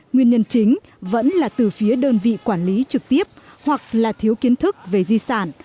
nguyên nhân chính vẫn là từ phía đơn vị quản lý trực tiếp hoặc là thiếu kiến thức về di sản